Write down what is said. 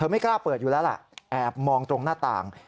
ไม่กล้าเปิดอยู่แล้วล่ะแอบมองตรงหน้าต่าง